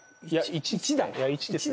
１です